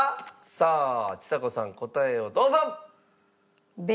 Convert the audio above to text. さあちさ子さん答えをどうぞ！